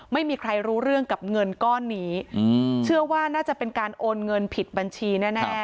ไม่มีใครรู้เรื่องกับเงินก้อนนี้เชื่อว่าน่าจะเป็นการโอนเงินผิดบัญชีแน่